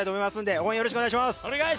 応援をよろしくお願いします。